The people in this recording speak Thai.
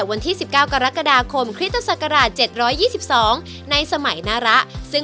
ไปขออนุญาตเล่